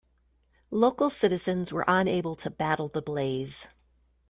Local citizens were unable to battle the blaze.